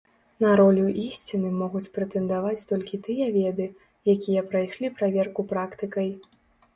На ролю ісціны могуць прэтэндаваць толькі тыя веды, якія прайшлі праверку практыкай.